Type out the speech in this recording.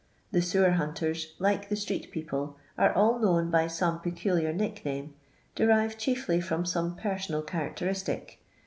The sewer hunters, like the street people, are all known by some peculiar nickname, derived chiefly from some personal chanicteristic.